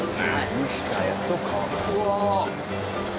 蒸したやつを乾かす。